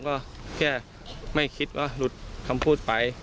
ก็แค่ไม่คิดว่าหลุดคำพูดไป